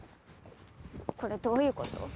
これどういうこと？